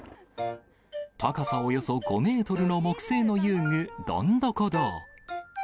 高さおよそ５メートルの木製の遊具、どんどこ堂。